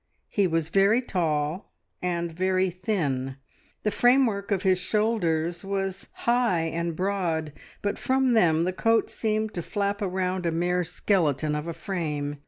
He was very tall, and very thin; the framework of his shoulders was high and broad, but from them the coat seemed to flap around a mere skeleton of a frame.